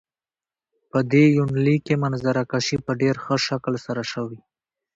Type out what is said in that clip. په دې يونليک کې منظره کشي په ډېر ښه شکل سره شوي.